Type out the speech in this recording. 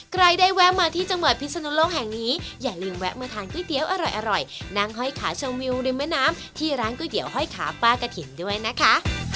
ใครได้แวะมาที่จังหวัดพิศนุโลกแห่งนี้อย่าลืมแวะมาทานก๋วยเตี๋ยวอร่อยนั่งห้อยขาชมวิวริมแม่น้ำที่ร้านก๋วยเตี๋ยวห้อยขาป้ากะถิ่นด้วยนะคะ